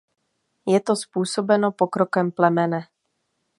Je to způsobeno pokrokem plemene.